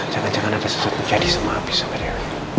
jangan jangan ada sesuatu jadi sama abi sama dewi